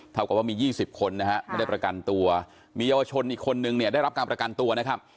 เท่ากับว่ามี๒๐คนนะฮะไม่ได้ประกันตัวมีเยาวชนอีกคนนึงเนี่ยได้รับการประกันตัวนะครับ